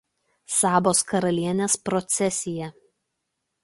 Sabos karalienės procesija.